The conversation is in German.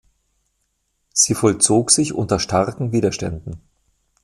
Sie vollzog sich unter starken Widerständen.